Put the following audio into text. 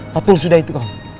patul sudah itu